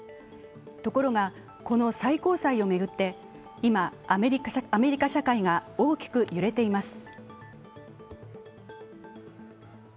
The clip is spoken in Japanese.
ところが、この最高裁を巡って今、アメリカ社会が大きく揺れています。